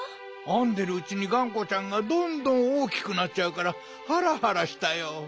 あんでるうちにがんこちゃんがどんどんおおきくなっちゃうからハラハラしたよ。